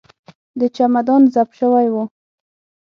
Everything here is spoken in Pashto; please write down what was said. د چمدان زپ شوی و.